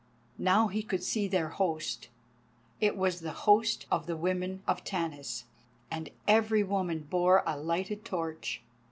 Now he could see their host. It was the host of the women of Tanis, and every woman bore a lighted torch.